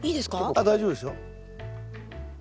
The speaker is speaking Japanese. あっ大丈夫ですよ。